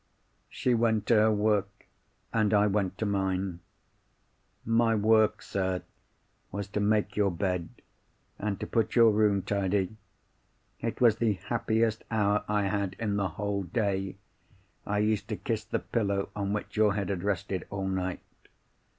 "She went to her work, and I went to mine." "My work, sir, was to make your bed, and to put your room tidy. It was the happiest hour I had in the whole day. I used to kiss the pillow on which your head had rested all night.